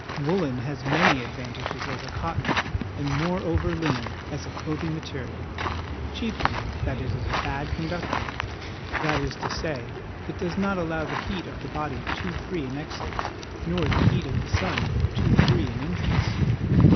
Woollen has many advantages over cotton, and more OUT OF DOOR LIFE FOR THE CHILDREN 85 over linen, as a clothing material; chiefly, that it is a bad conductor ; that is to say, it does not allow the heat of the body too free an exit, nor the heat of the sun too free an entrance.